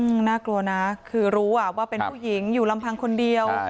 น่ากลัวนะคือรู้ว่าเป็นผู้หญิงอยู่ลำพังคนเดียว